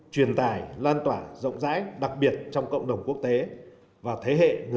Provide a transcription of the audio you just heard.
truyền tài loan tỏa rộng rãi đặc biệt trong cộng đồng quốc tế